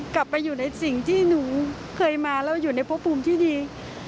กลับไปอยู่ในสิ่งที่หนูเคยมาแล้วอยู่ในพบภูมิที่ดี